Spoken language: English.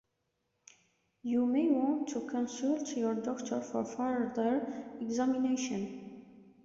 You may want to consult your doctor for further examination.